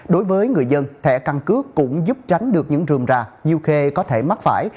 đối với người dân thẻ căn cước cũng giúp tránh được những rượm ra nhiều khi có thể mắc phải